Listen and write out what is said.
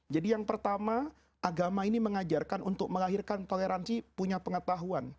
jadi yang pertama agama ini mengajarkan untuk melahirkan toleransi punya pengetahuan